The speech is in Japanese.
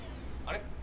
あれ？